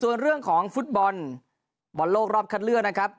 ส่วนเรื่องของฟุตบอลบอลโลกรอบคัดเลือกนะครับ